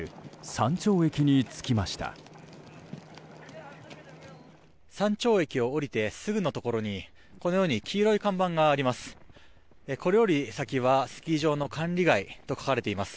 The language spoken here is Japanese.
山頂駅を降りてすぐのところにこのように黄色い看板があります。